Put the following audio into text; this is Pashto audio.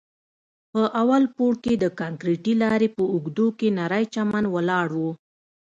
په اول پوړ کښې د کانکريټي لارې په اوږدو کښې نرى چمن ولاړ و.